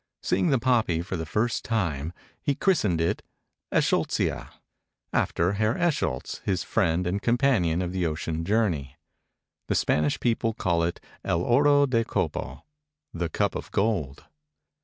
Seeing the poppy for the first time, he christened it Eschscholtzia (esh sholts i a), after Herr Eschscholtz, his friend and companion of the ocean journey. The Spanish people call it El oro de copo (the cup of gold).